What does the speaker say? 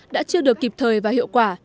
đã chưa được kịp thời và hiệu quả